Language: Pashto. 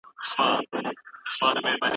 که موضوع نوي وي نو هر څوک یې په شوق سره لولي.